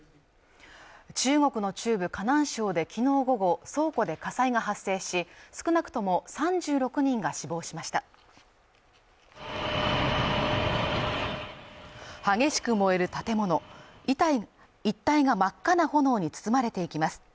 中国の中部河南省できのう午後倉庫で火災が発生し少なくとも３６人が死亡しました激しく燃える建物一帯が真っ赤な炎に包まれていきます